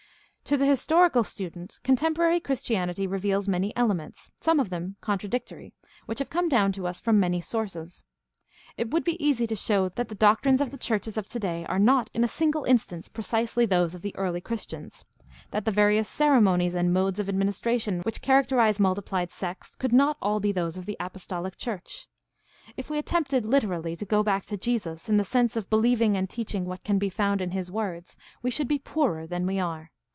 — To the historical student contemporary Chris tianity reveals many elements, some of them contradictory, which have come down to us from many sources. It would be easy to show that the doctrines of the churches of today are not in a single instance precisely those of the early Chris tians; that the various ceremonies and modes of administra tion which characterize multiplied sects could not all be those of the apostolic church. If we attempted literally to "go back to Jesus," in the sense of believing and teaching what can be found in his words, we should be poorer than we are.